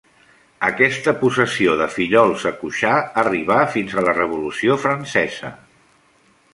Aquesta possessió de Fillols a Cuixà arribà fins a la Revolució Francesa.